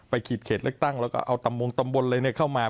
ไปขีดเขตเลือกตั้งแล้วก็เอาตำวงตำบลเลยเนี่ยเข้ามา